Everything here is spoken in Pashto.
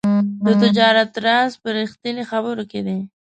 د تجارت راز په رښتیني خبرو کې دی.